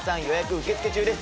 受け付け中です。